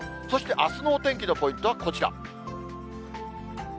そしてあすのお天気のポイントはこちら。